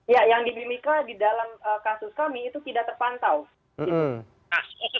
ya yang di mimika di dalam kasus kami itu tidak terpantau